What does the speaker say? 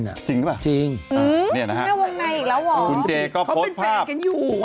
จริงหรือเปล่าจริงนี่นะครับคุณเจก็โพสต์ภาพเพิ่มเป็นแฟนกันอยู่